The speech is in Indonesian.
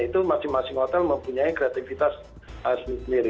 itu masing masing hotel mempunyai kreativitas sendiri